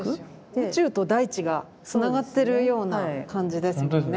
宇宙と大地がつながってるような感じですもんね。